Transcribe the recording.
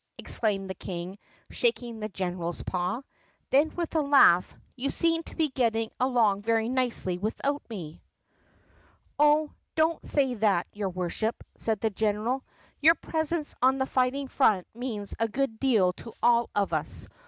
exclaimed the King shaking the general's paw. Then with a laugh, "You seem to be get ting along very nicely without me." "Oh, don't say that, your Worship," said the general. "Your presence on the fighting front means a good deal to all of us.